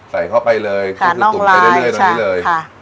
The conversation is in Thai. ใส่เข้าไปเลยก็คือตุ่มไปเรื่อยตรงนี้เลย